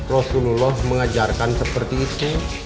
rasulullah mengajarkan seperti itu